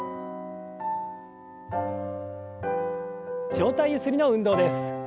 上体ゆすりの運動です。